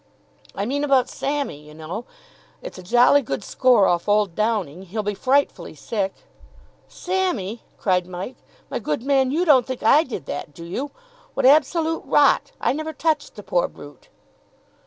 "I mean about Sammy, you know. It's a jolly good score off old Downing. He'll be frightfully sick." "Sammy!" cried Mike. "My good man, you don't think I did that, do you? What absolute rot! I never touched the poor brute."